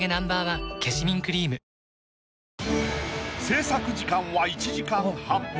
制作時間は１時間半。